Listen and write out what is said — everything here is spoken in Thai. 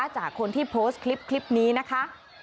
จากคนที่โพสต์คลิปนี้นะคะ